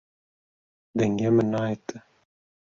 Dengê min nayê te.